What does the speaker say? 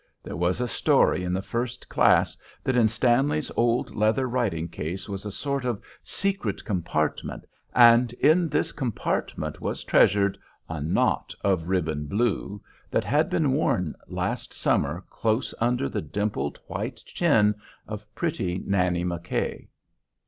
There was a story in the first class that in Stanley's old leather writing case was a sort of secret compartment, and in this compartment was treasured "a knot of ribbon blue" that had been worn last summer close under the dimpled white chin of pretty Nannie McKay.